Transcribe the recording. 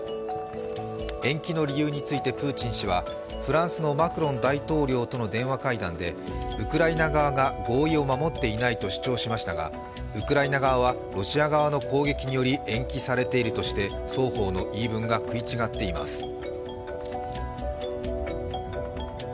延期の理由についてプーチン氏はフランスのマクロン大統領との電話会談でウクライナ側が合意を守っていないと主張しましたがウクライナ側はロシア側の攻撃により延期されているとして、双方の言い分が食い違っています。